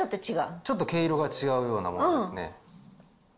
ちょっと毛色が違うようなものですね。